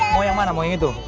mau yang mana mau yang itu